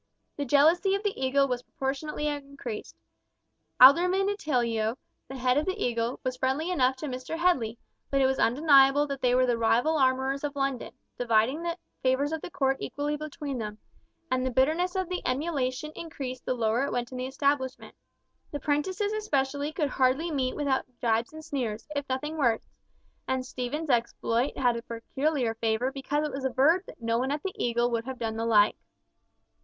The jealousy of the Eagle was proportionately increased. Alderman Itillyeo, the head of the Eagle, was friendly enough to Mr. Headley, but it was undeniable that they were the rival armourers of London, dividing the favours of the Court equally between them, and the bitterness of the emulation increased the lower it went in the establishment. The prentices especially could hardly meet without gibes and sneers, if nothing worse, and Stephen's exploit had a peculiar flavour because it was averred that no one at the Eagle would have done the like.